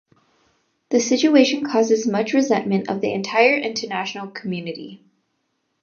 This situation causes much resentment of the entire international community.